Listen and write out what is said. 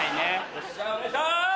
よっしゃお願いします！